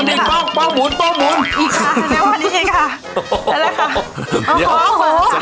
ไอ้ป้องอย่างไร